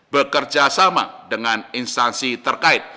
bekerja sama dengan instansi terkait